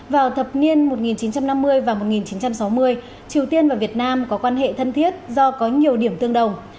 vào thập niên một nghìn chín trăm năm mươi và một nghìn chín trăm sáu mươi triều tiên và việt nam có quan hệ thân thiết do có nhiều điểm tương đồng